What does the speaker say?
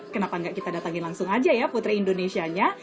kenapa nggak kita datangin langsung aja ya putri indonesia nya